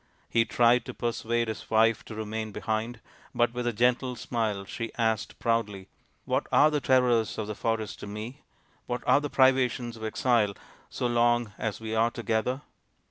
He tried to persuade his wife to remain behind, but with a gentle smile she asked proudly :" What are the terrors of the forest to me, what are the privations of exile, so long as we are together